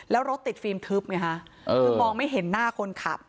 แล้วรถติดฟิล์มทึบไงฮะคือมองไม่เห็นหน้าคนขับ